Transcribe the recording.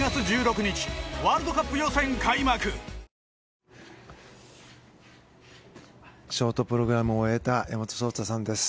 大空あおげショートプログラムを終えた、山本草太さんです。